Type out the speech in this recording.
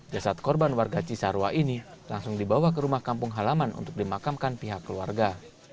jasad korban warga cisarua ini langsung dibawa ke rumah kampung halaman untuk dimakamkan pihak keluarga